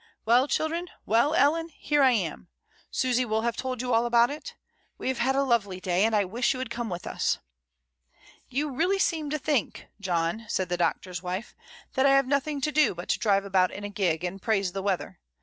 Well, children, well, Ellen, here I am. Susy will have told you all about it. We have had a lovely day, and I wish you had come with us." "You really seem to think, John," said the Doc tor's wife, "that I have nothing to do but to drive about in a gig, and praise the weather.